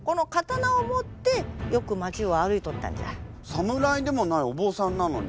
侍でもないお坊さんなのに。